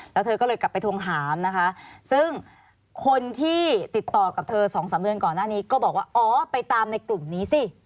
แล้วเธอก็เลยกลับไปทวงถามนะคะซึ่งคนที่ติดต่อกับเธอสองสามเดือนก่อนหน้านี้ก็บอกว่าอ๋อไปตามในกลุ่มนี้สิ